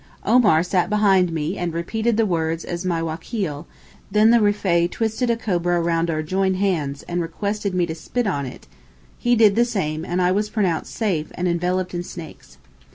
Omar sat behind me and repeated the words as my 'Wakeel,' then the Rifaee twisted a cobra round our joined hands and requested me to spit on it, he did the same and I was pronounced safe and enveloped in snakes.